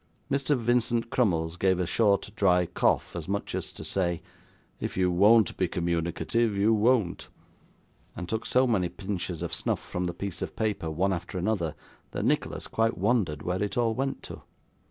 Mr. Vincent Crummles gave a short dry cough, as much as to say, 'If you won't be communicative, you won't;' and took so many pinches of snuff from the piece of paper, one after another, that Nicholas quite wondered where it all went to.